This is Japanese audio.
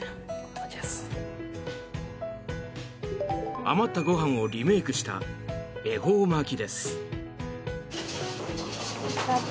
余ったご飯をリメイクした恵方巻きです。